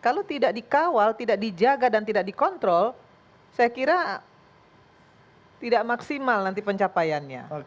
kalau tidak dikawal tidak dijaga dan tidak dikontrol saya kira tidak maksimal nanti pencapaiannya